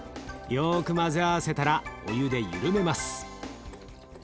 よく混ぜ合わせたらお湯でゆるめます。